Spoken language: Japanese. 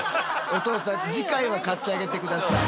お父さん次回は買ってあげて下さい。